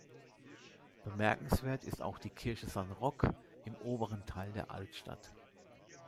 Bemerkenswert ist auch die Kirche San Roque im oberen Teil der Altstadt.